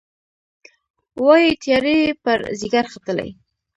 وايي، تیارې یې پر ځيګر ختلي